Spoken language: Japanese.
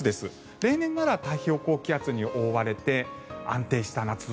例年なら太平洋高気圧に覆われて安定した夏空。